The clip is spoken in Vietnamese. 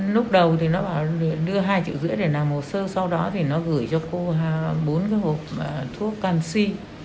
lúc đầu thì nó bảo đưa hai triệu rưỡi để làm hồ sơ sau đó thì nó gửi cho cô bốn cái hộp thuốc canxi